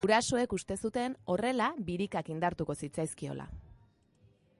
Gurasoek uste zuten horrela birikak indartuko zitzaizkiola.